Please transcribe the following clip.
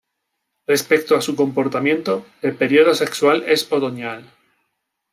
Respecto a su comportamiento, el período sexual es otoñal.